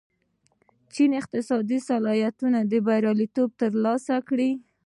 چین اقتصادي اصلاحاتو بریالیتوب ترلاسه کړ.